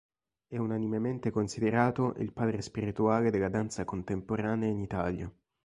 È unanimemente considerato il padre spirituale della danza contemporanea in Italia.